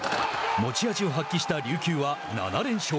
持ち味を発揮した琉球は７連勝。